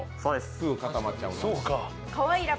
すぐ固まっちゃうから。